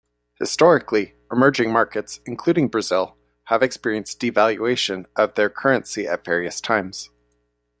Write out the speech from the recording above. Historically, emerging markets, including Brazil, have experienced devaluation of their currency at various times.